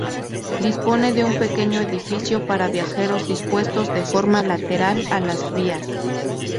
Dispone de un pequeño edificio para viajeros dispuesto de forma lateral a las vías.